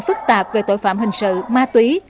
phức tạp về tội phạm hình sự ma túy